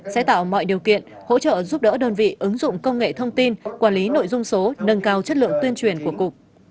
sẽ tạo mọi điều kiện hỗ trợ giúp đỡ đơn vị ứng dụng công nghệ thông tin quản lý nội dung số nâng cao chất lượng tuyên truyền của cục